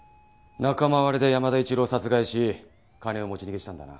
仲間割れで山田一郎を殺害し金を持ち逃げしたんだな？